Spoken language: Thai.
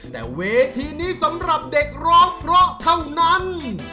แต่เวทีนี้สำหรับเด็กร้องเพราะเท่านั้น